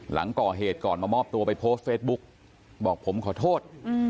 หลังก่อเหตุก่อนมามอบตัวไปโพสต์เฟซบุ๊กบอกผมขอโทษ